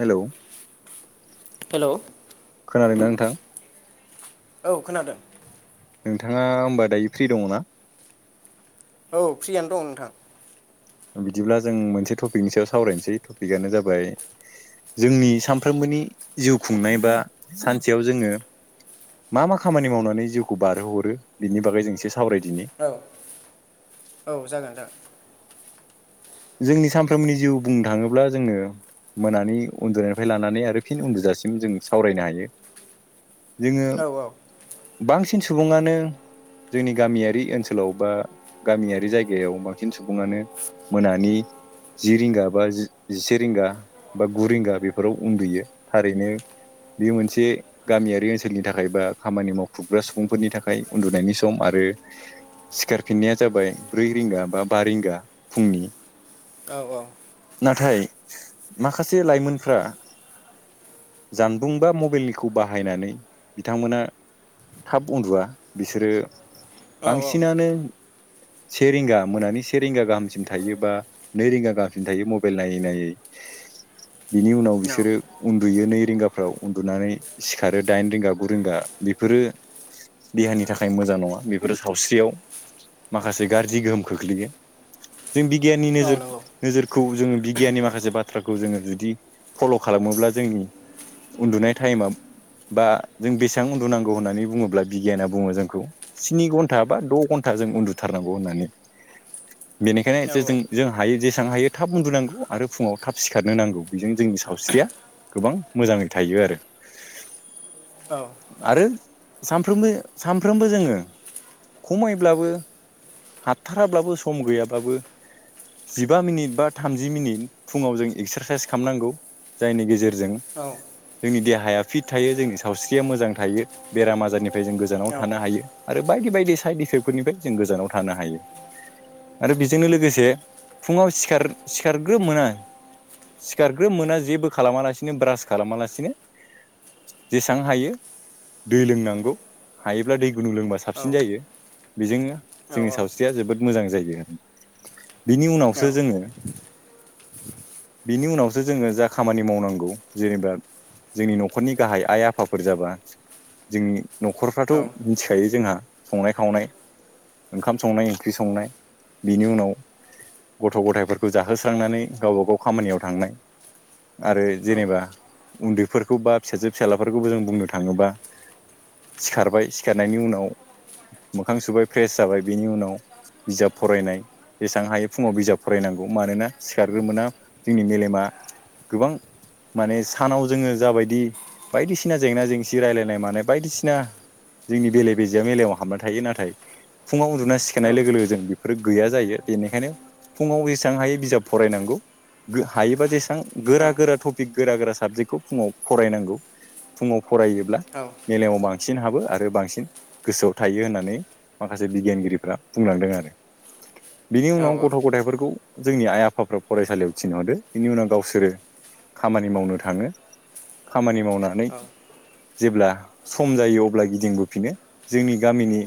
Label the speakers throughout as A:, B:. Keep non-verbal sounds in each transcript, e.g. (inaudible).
A: हेल'
B: hello,
A: नोंथां
B: औ खोनादों।
A: नोंथाङा होमबा दायो फ्रि दङ ना?
B: औ फ्रियानो दं नोंथां।
A: बिदिब्ला जों मोनसे टपिकनि सायाव सावरायनोसै। टपिकानो जाबाय जोंनि सामफ्रोमबोनि जिउ खुंनाय बा सानसेयाव जोङो मा मा खामानि मावनानै जिउखौ बारहोहरो बिनि बागै जों एसे सावरायदिनि
B: औ औ जागोन जागोन।
A: जोंनि सामफ्रोमनि जिउ बुंनो थाङोब्ला जोङो मोनानि उन्दुनायनिफ्राय लानानै आरो फिन उन्दुजासिम जों सावरायनो हायो। जोङो
B: औ
A: बांसिन सुबुङानो जोंनि गामियारि ओनसोलाव बा गामियारि जायगायाव बांसिन सुबुङानो मोनानि जि रिंगा बा जि-जिसे रिंगा बा गु रिंगा बेफोराव उन्दुयो। थारैनो बे मोनसे गामियारि ओनसोलनि थाखाय बा खामानि मावखुबग्रा सुबुंफोरनि थाखाय उन्दुनायनि सम आरो आरो सिखारफिननाया जाबाय ब्रै रिंगा बा बा रिंगा फुंनि।
B: औ औ।
A: नाथाय माखासे लाइमोनफ्रा जानबुं बा मबाइलखौ बाहायनानै बिथांमोना थाब उन्दुवा बिसोरो
B: औ
A: बांसिनानो से रिंगा मोनानि सेेरिंगा गाहाम सिम थायोबा नै रिंगा गाहामसिम थायो मबेल नायै नायै। बिनि उनाव बिसोरो उन्दुयो नै रिंगाफ्राव उन्दुनानै सिखारो दाइन रिंगा गुरिंगा बेफोरो देहानि थाखाय मोजां नङा। बेफोरो सावस्रियाव माखासे गाज्रि गोहोम खोख्लैयो। जों बिगियाननि
B: औ
A: नोजोर
B: नंगौ
A: नोजोरखौ जोङो बिगियाननि माखासे बाथ्राखौ जोङो जुदि फल' खा खालामोब्ला जोंनि उन्दुनाय टाइमा बा जों बेसां उन्दुनांगौ होन्नानै बुङोब्ला बिगियाना बुङो जोंखौ स्नि घन्टा बा द' घन्टा। जों उन्दुथारनांगौ होन्नानै बिनिखायनो
B: औ
A: जो-जों हायो जे बेसेबां हायो थाब उन्दुनांगौ आरो फुङाव थाब सिखारनो नांगौ बेजों जोंनि सावस्रिया गोबां मोजाङै थायो आरो
B: औ
A: आरो सानफ्रोमबो सानफ्रोमबो जोङो खमायब्लाबो हाथथाराब्लाबो सम गैयाब्लाबो जिबा मिनिट बा थामजि मिनिट फुङाव जों एक्सारसाइस खालामनांगौ जायनि गेजेरजों
B: औ
A: जोंनि देहाया फिट थायो जोंनि सावस्रिया मोजां थायो बेराम आजारनिफ्राय जों गोजानाव
B: औ
A: थानो हायो आरो बाइक ब बायदि साइड इफेक्टफोरनिफ्राय जों गोजानाव थानो हायो आरो बेजोंनो लोगोसे फुङाव सिखार सिखारग्रोमोना आं सिखारग्रो मोना जेबो खालामालासिनो ब्रास खालामालासिनो जेसेबां हायो दै लोंनांगौ हायोब्ला दै गुनु लोंबा साबसिन जायो बेजोंनो जोंनि सावस्रिया जोबोद मोजां जायो बिनि उनावसो जोङो बिनि उनावसो जोङो जा खामानि मावनांगौ जेनेबा जोंनि न'खरनि गाहाय आइ आफाफोर जाबा जोंनि न'खरफ्राथ'
B: औ
A: मिथिखायो जोंहा संनाय खावनाय ओंखाम संनाय ओंख्रि संनाय बेनि उनाव गथ' गथायफोरखौ जाहोस्रांनानै गावबा गाव खामानियाव थांनाय। आरो
B: औ
A: जेनेबा उन्दैफोरखौ बा फिसाजो फिसालाफोरखौबो जों बुंनो थांङोबा सिखारबाय सिखारनायनि उनाव मोखां सुबाय फ्रेस जाबाय बेनि उनाव बिजाब फरायनाय जेसेबां हायो फुंङाव बिजाब फरायनांगौ मानोना सिखारग्रोमोना जोंनि मेलेमा गोबां माने सानाव जोंङो जाबायदि बायदिसिना जेंना जेंसि राय्लायनाय मानाय बायदिसिना जोंनि बेले बेजेया मेलायाव हाबना थायो नाथाय फुंङाव उन्दुना सिखनाय लोगो लोगो जों बेफोरो गैया जायो बेनिखायनो फुंङाव जेसेबां हायो बिजाब फरायनांगौ नं। हायोबा जेसेबां बिथां गोरा गोरा टपिक गोरा गोरा साबजेक्टखौ फुंङाव फरायनांगौ फुंङाव फरायोब्ला मेलेम बांसि बांसिन हाबो आरो बांसिन गोसोआव थायो होननानै माखासे बिगियानगिरिफ्रा बुंलांदों आरो। बिनि उनाव गथ' गथायफोरखौ जोंनि आइ आफाफ्रा फरायसालियाव थिनहरो बिनि उनाव गावसोरो खामानि मावनो थांङो। खामानि मावनानै जेब्ला सम जायो अब्ला गिदिंबोफिनो जोंनि गामिनि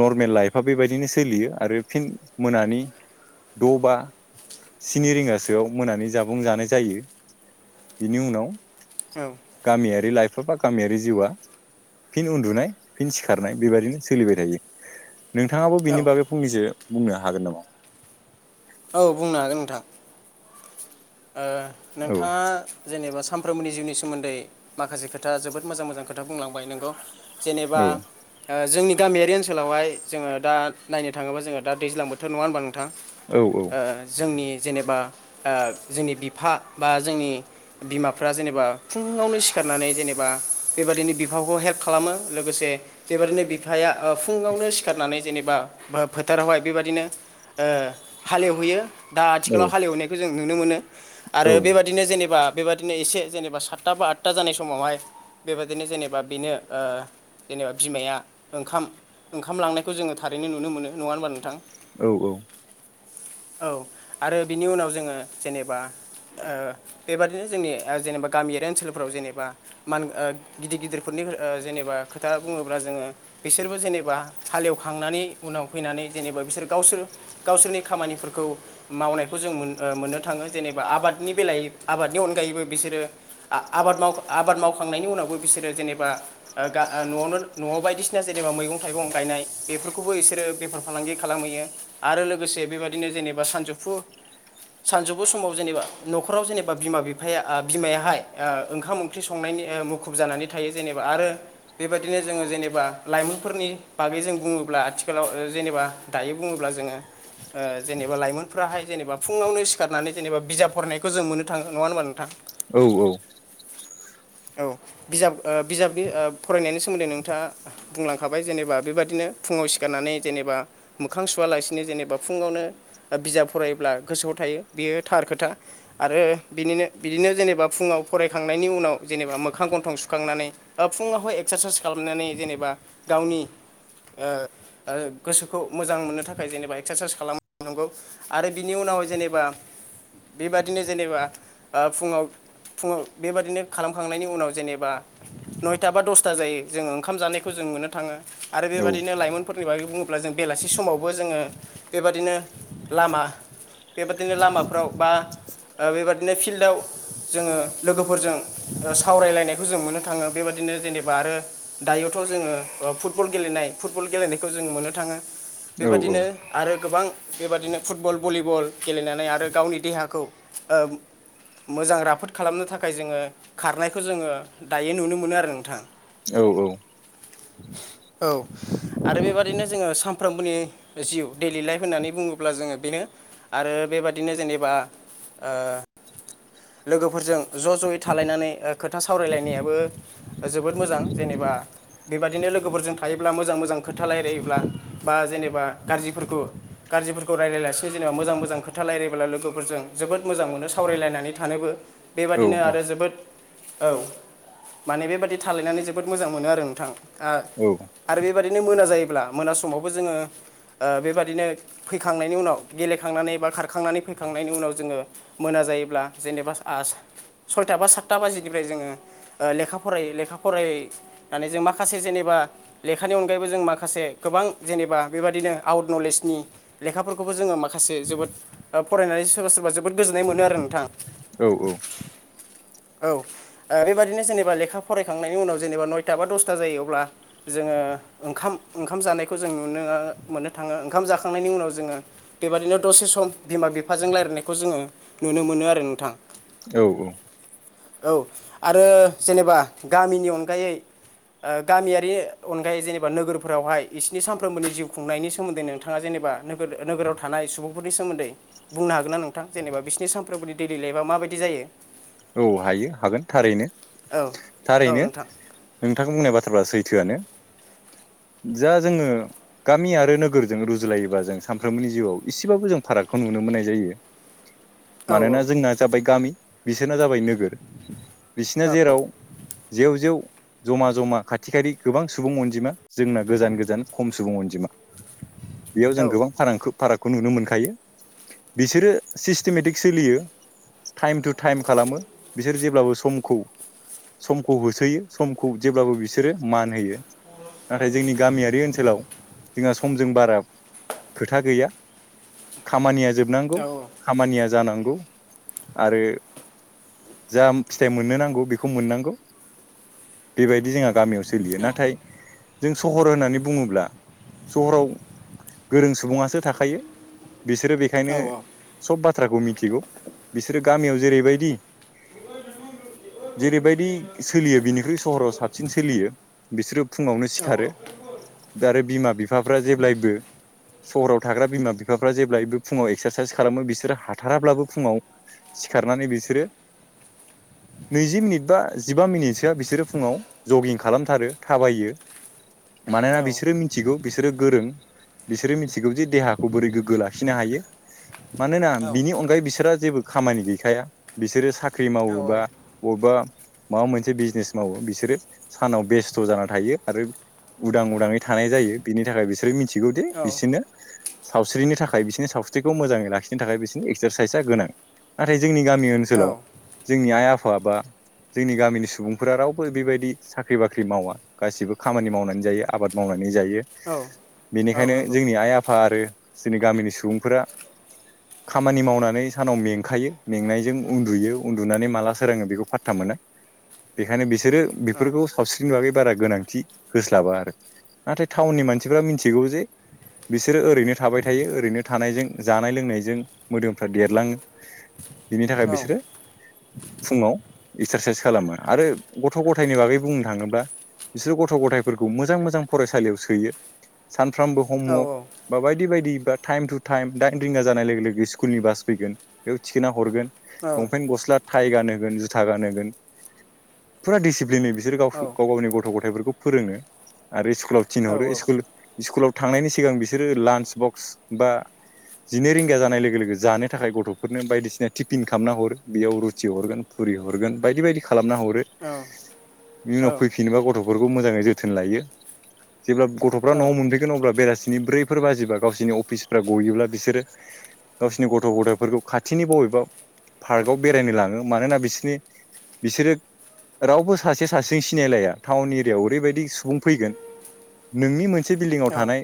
A: नर्मेल लाइफआ बेबायदिनो सोलियो आरो फिन मोनानि द' बा स्नि रिंगासोआव मोनानि जाबुं जानाय जायो। बिनि उनाव गामियारि लाइप सफफा गामियारि जिउआ फिन उन्दुनाय फिन सिखारनाय बेबादिनो सोलिबाय थायो। नोंथाङाबो बिनि बागै फंनैसो बुंनो हागोन नामा?
B: औ बुंनो हागोन नोंथां।
A: औ
B: नोंथाङा जेनेबा सानफ्रोमबोनि जिउनि सोमोन्दै माखासे खोथा जोबोद मोजां मोजां खोथा बुंलांबाय नोंगौ। जेनेबा
A: औ
B: जोंनि गामियारि ओनसोलावहाय जोंङो दा नायनो थांङोबा जो द दैज्लां बोथोर नङा होनब्ला ओ
A: औ
B: जोंनि जेनेबा ओ जोंनि बिफा बा जोंनि बिमाफ्रा जेनेबा फुंङावनो सिखारनानै जेनेबा बे बेबायाददिनो बिफाखौ हेल्प खालामो लोगोसे बेबायदिनो बिफाया फुंङावनो सिखारनानै जेनेबा फोथारावहाय बेबदिनो ओ हालेवहैयो। दा आथिखालाव हालेवनायखौ जों नुनो मोनो
A: औ
B: आरो बेबायदिनो जों जेनेबा बेबादिनो एसे जेनेबा सातथा बा आदथा जानाय समावहाय बेबायदिनो जेनेबा बेनो ओ जेनेबा बिमाया ओंखाम ओंखाम लांनायखौ जोंङो थारैनो नुनो मोनो नंङा होनबा नोंथां?
A: औ औ।
B: औ आरो बिनि उनाव जोंङो जेनेबा ओ बेबादिनो जोंनि जेनेबा गामियारि ओनसोलफोराव जेनेबा मान गिदिर गिदिरफोरनि ओ जेनेबा खोथा बुंङोब्ला जोंङो बिसोरबो जेनेबा हालेवखांनानै उनाव फैनानै जेनेब बिसोर गावसोर गावसोरनि खामानिफोरखौ मावनायखौ जों ओ मोननो थांङो। जेनेबा आबादनि बेलायाव आबादनि अनगायैबो बिसोरो आबाद आबाद मावखांनायनि उनावबो बिसोर बिसोरो जेनेबा ओ न'आवनो न'आव बायदिसिना जेनेबा मैगं थाइगं गायनाय बेफोरखौबो बिसोरो बेफार फालांगि खालामैयो आरो लोगोसे बेबदिनो जेनेबा सानजुफु सानजुफ बु समाव जेनेबा न'खराव जेनेबा बिमा बिफाया ओ बिमायाहाय ओ ओंखाम ओंख्रि संनायनि ओ मुुखुब जानानै थायो जेनेबा आरो बेबायदिनो जोंङो जेनेबा लाइमोनफोरनि बागै जों बुंङोब्ला आथिखालाव ओ जेनेबा दायो बुंङोब्ला जोंङो ओ जेनेबा लाइमोनफ्राहाय जेनेबा फुंङावनो सिखारनानै जेनबा बिजाब फरायनायखौ जों मोननो थांङो नंङा होनबा नोंथां?
A: औ औ।
B: औ बिजाब ओ बिजाबनि ओ फरायनायनि सोमोन्दै नोंथाङा बुंलांखाबाय जेनेबा बेबायदिनो फुं फुंङाव सिखारनानै जेनेबा मोखां सुवालासिनो जेनेबा फुंङावनो बिजाब फरायोब्ला गोसोआव थायो। बेयो थार खोथा आरो बिनो बिनिनो बिदिनो जेनेबा फुंङाव फरायखांनायनि उनाव जेनेबा मोखां गथं सुखांनानै फुङावहाय एक्सारसाइस खालामनानै जेनेबा गावनि ओ ओ गोसोखौ मोजां मोननो थाखाय जेनेबा एक्सारसाइस खालामनांगौ आरो बिनि उनाव। जेनेबा बेबादिनो जेनेबा ओ फुङाव फुङाव बेबादिनो खालामखांनायनि उनाव जेनेबा नयथा बा दसथा जायो जोङो ओंखाम जानायखौ जों मोननो थाङो आरो बेबायदिनो लाइमोनफोरनि बागै बुं अब्ला जों बेलासि समावबो जोङो बेबाददिनो लामा बे इदिनो लामाफ्राव बा बेबायादिनो फिल्डाव। जोङो लोगोफोरजों सावरायलायनायखौ जों मोननो थाङो बेबायदिनो जेनेबा आरो दायोथ' खौ जोङो फुटबल गेलेनाय फुटबल गेलेनायखौ जोङो मोननो थाङो। बेबादिनो आरो गोबां बेबादिनो फुटबल भलिबल गेलेनानै आरो गावनि देहाखौ ओ मोजां राफोद खालामनो थाखाय जोङो खारनायखौ जोङो दायो नुनो मोनो आरो नोंथां।
A: औ औ
B: (inaudible) औ आरो बेबादिनो जोङो सामफ्रोमबोनि जिउ डलि लाइफ होननानै बुङोब्ला जोङो बेनो आरो बेबादिनो जेनेबा ओ लोगोफोरजों ज' ज'यै थालायनानै खोथा सावरायलायनायाबो जोबोद मोजां जेनेब बा बेबाददिनो लोगोफोरजों थायोब्ला मोजां मोजां खोथा रायलायोब्ला बा जेबा गाज्रिफोरखौ गाज्रिफोरखौ रायज्लायलासे जेनेबा मोजां मोजा मोजां खोथा रायलायब्ला लोगोफोरजों जोबोद मोजां मोनो सावरायलायनानै थानोबो बेबादिनो आरो जोबोद औ माने बेबादि थालायनानै जोबोद मोजां मोनो आरो नोंथां आरो बे बेबदिनो मोना जायोब्ला मोना समावबो जोङो ओ बेबादिनो फैखांनायनि उनाव गेलेखांनानै खारखांनानै फैखांनायनि उनाव जों मोन जायोब्ला जेनोबा आस सयथा बा साथा बाजि निफ्राय जों ओ लेखा फराय लेखा फरायनानै जों माखासे जेनेबा लेखानि अनगायै बो जों माखासे गोबां जेनेबा बेबाददिनो आउट नलेजनि लेखाफोरखौबो जोङो माखासे जोबोद फरायनानै सोरबा सोरबा जोबोद गोजोननाय मोनो आरो नोंथाङा।
A: औ
B: औ ओ बेबायादिनो जेनेबा लेखा फरायखांनायनि उनाव जेनेबा नयथा बा दसथा जायो अब्ला जोङो ओंखाम ओंखाम जानायखौ जों नुनो मोननो थाङो ओंखाम जाखांनायनि उनाव जोङो बेबादिनो दसे सम बिमा बिफाजों रायलायनायखौ जोङो नुनो मोनो आरो नोंथां।
A: औ
B: औ आरो जेनेबा गामिनि अनगायै ओ गामियारि अनगायै जेनेबा नोगोरफोरावहाय बिसिोरनि सानफ्रोमबोनि जिउ खुंनायनि सोमोनदै नोंथाङा जेनेबा एबा नो नोगोराव थानाय सुबुंफोरनि सोमोन्दै बुंनो हागोन ना नोंथां जेनेबा बिसिोरनि सानफ्र बदि दै दैलायबा माबायदि जायो।
A: औ हायो हागोन थारैनो
B: औ औ
A: थारैनो!
B: नोंथां
A: नोंथांखौ बुंनाय बाथ्राफ्रा सैथोआनो जा जोङो गामि आरो नोगोरजों रुजुलायोबा जों सानफ्रोमबोनि जिउआव एसेबाबो जों फारागखौ नु नुनो मोननाय जायो।
B: औ औ
A: मानोना जोंना जाबाय गामि बिसोरना जाबाय नोगोर बिसोर
B: औ नंगौ औ
A: बिसिना जेराव जेव जेव जमा जमा खाथि खानि गोबां सुबुं अनजिमा जोंना गोजान गोजान खम सुबुं अनजिमा बेयाव जों गोबां फारां फाराग खौ नुनो मोनखायो बिसोरो सिस्टेमेटिक सोलियो टाइम टु टाइम खालामो बिसोर जेब्लाबो समखौ समखौ होसोयो समखौ जेब्लाबो बिसोरो मान होयो नाथाय जोंनि गामियारि ओनसोलाव जोंहा सम बारा खोथा गैया खामया जोबनांगौ खामानिया जानांगौ आरो। जा फिथाइ मोननो नांगौ बेखौ मोननांगौ बेबायदि जोंहा गामियाव सोलियो नाथाय जों सहर होननानै बुङोब्ला सहराव गोरों सुबुङासो थाखायो बिसोरो बेखायनो सब बाथ्राखौ मिथिगौ बिसोरो गामियाव जेरैबायदि (inaudible) जेरैबायदि सोलियो बिनिख्रुइ सहराव साबसिन सोलियो बिसोरो फुङावनो सिखारो दा आरो बिमा बिफाफ्रा जेब्लायबो सहराव थाग्रा बिमा बिफाफ्रा जेब्लायबो फुङाव एक्सारसाइस खालामो बिसोरो हाथाराब्लाबो फुङाव सिखारनानै बिसोरो नैजि मिनिट बा जिबा मिनिटसोआ बिसोरो फुङाव जगिं खालामथारो थाबायो मानोना बिसोरो मिथिगौ बिसोरो गोरों बिसोरो मिथिगौ जि देहाखौ बोरै गोग्गो लाखिनो हायो मानोना बिनि अनगायै बिसोरहा जेबो खामानि गैखाया बिसोरो साख्रि मावोबा बबेबा माबा मोनसे बिजनेस मावो बिसोरो सानाव बेस्थ' जाना थायो आरो। उदां उदाङै थानाय जायो बिनि थाखाय बिसोरो मिथिगौदि बिसोरनो सावस्रिनि थाखाय बिसोरनि सावस्रिखौ मोजाङै लाखिनो थाखाय बिसोरनि एक्सारसाइसआ गोनां नाथाय। जोंनि गामि ओनसोलाव नि आइ आफा बा जोंनि गामिनि सुबुंफोरा रावबो बेबायदि साख्रि बाख्रि मावा गासिबो खामानि मावनानै जायो आबाद मावनानै जायो बेनिखायनो जोंनि आइ आफा आरो जोंनि गामिनि सुबुंफोरा खामानि मावनानै सानाव मेंखायो मेंनायजों उन्दुयो उन्दुनानै माला सोरोङो बेखौ फाथ्था मोना बेखायनो बिसोरो बेफोरखौ साबस्रिनि बागै बारा गोनांथि होस्लाबा आरो नाथाय टाउननि मानसिफोरा मिन्थिगौ जे बिसोर बिसोरो ओरैनो थाबाय थायो ओरैनो थानायजों जानाय लोंनायजों मोदोमफ्रा देरलाङो बिनि थाखाय बिसोरो फुङाव एक्सारसाइस खालामो आरो गथ' गथायनि बागै बुंनो थाङोब्ला बिसोरो गथ' गथायफोरखौ मोजां मोजां फरायसालियाव सोयो सानफ्रोमबो हमवर्क बा बायदि बायदि बा टाइम टु टाइम दाइन रिंगा जानाय लोगो स्कुलनि बास फैगोन बेयाव थिखोना हरगोन लंपेन्ट गस्ला थटाइ गान होगोन जुथा गान होगोन फुरा डिसिप्लिननै बि बिसोर गाव गाव गावनि गथ' गथथायफोरखौ फोरोङो आरो स्कुलाव थिनहरो स्कुलनि स्कुलाव थांनायनि सिगां बिसोरो लान्च बक्स बा जिनै रिंगा जानाय लोगो लोगो जानो थाखाय गथ'फोरनो बायदिसिना टिफिनखौ खालामना हरो बेयाव रुटि हरगोन फुरि हरगोन बायदि बायदि खालामना हरो। इनि उनाव फैफिनोबा गथ'फोरखौ मोजाङै जोथोन लायो। जेब्ला गथ'फ्रा न'आव मोनफैगोन अब्ला बेलासिनि ब्रैफोर बाजिबा गावसोरनि अफिसफ्रा गयोब्ला बिसोरो गावसोरनि गथ' गथायफोरखौ खाथिनि बबेबा पार्कआव बेरायनो लाङो मानोना बिसोरनि बिसोरो रावबो सासे सासेजों सिनायलाया टाउन एरियायाव ओरैबायदि सुबुं फैगोन नोंनि मोनसे से बिल्डिंआव थानाय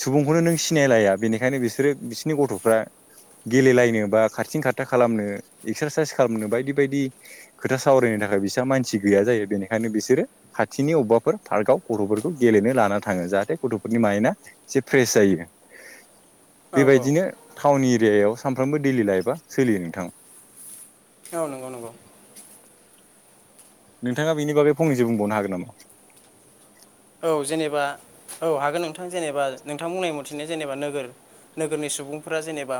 A: सुबुंखौनो नों सिनायलाया बेनिखायनो बिसोरो बिसोरनि गथ'फ्रा गेलेलायनो बा खारथिं खार था खालामनो एक्सारसाइस खालामनो बायदि बायदि खोथा सावरायनो थाखाय बिसा मानसि गैया जायो बेनिखायनो बिसोरो खाथिनि अबेबाफोर पार्कआव गथ'फोरखौ गेलेनो लाना थाङो जाहाथे गथ'फोरनि मायड आ से फ्रेस जायो। बेबायदिनो टाउन एरियायाव सानफ्रोमबो दैलि लाइफआ सोलियो नोंथां।
B: औ नंगौ नंगौ
A: नोंथाङा बेनि बागै फंनैसो बुंबावनो हागोन नामा
B: औ जेनेबा औ हागोन नोंथां जेनेबा नोंथां बुंनाय मथेनो जेनेबा नोगोर नोगोरनि सुबुंफोरा जेनेबा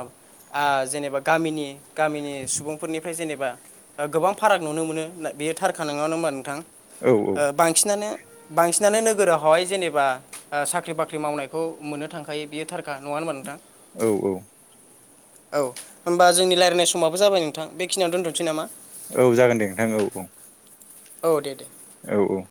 B: आ जेनेबा गामिनि गामिनि सुबुंफोरनिफ्राय जेनेबा गोबां फाराग नुनो मोनो बेयो थारखा नङा ना होमबा नोंथां
A: औ
B: ओ बांसिनानो बांसिन नानै नोगोरावहाय जेनेबा आ साख्रि बाख्रि मावनायखौ मोननो थांखायो बियो थारखा नङा होनोमा नोंथां
A: औ औ
B: औ होमबा जोंनि रायज्लायनाय समाबो जाबाय नोंथां बेखिनियावनो दोनथ'नोसै नामा
A: औ जागोन दे नोंथां औ औ
B: औ दे दे
A: औ औ